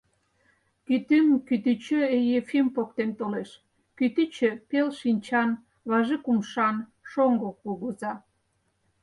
Кӱтӱм кӱтӱчӧ Ефим поктен толеш, кӱтӱчӧ — пел шинчан, важык умшан шоҥго кугыза.